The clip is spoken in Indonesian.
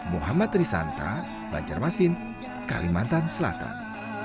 muhammad risanta banjarmasin kalimantan selatan